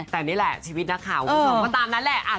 แต่นี่แหละชีวิตนักข่าวคงส่องประตามนั้นแหละ